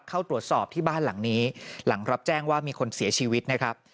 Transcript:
เข้าตรวจสอบที่บ้านหลังนี้หลังรับแจ้งว่ามีคนเสียชีวิตนะครับ